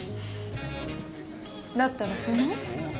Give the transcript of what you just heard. だったら不満？